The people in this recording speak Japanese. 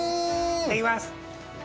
いただきます！